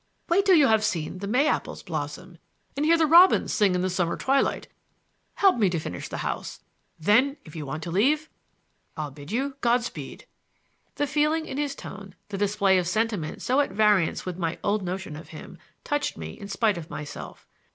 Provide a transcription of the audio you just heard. Wait till you have seen the May apples blossom and heard the robins sing in the summer twilight,—help me to finish the house,— then if you want to leave I'll bid you God speed." The feeling in his tone, the display of sentiment so at variance with my old notion of him, touched me in spite of myself.